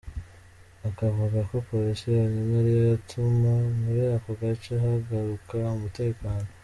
Akavugako Polisi yonyine ariyo yatuma muri ako gace hagaruka umutekano.